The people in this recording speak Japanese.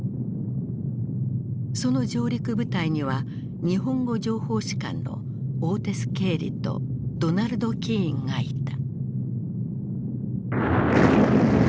その上陸部隊には日本語情報士官のオーテス・ケーリとドナルド・キーンがいた。